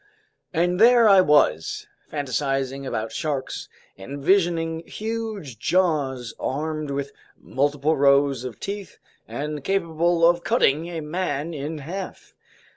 And there I was, fantasizing about sharks, envisioning huge jaws armed with multiple rows of teeth and capable of cutting a man in half.